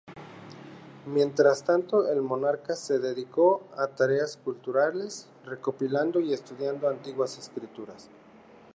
Mientras tanto, el monarca se dedicó a tareas culturales, recopilando y estudiando antiguas escrituras.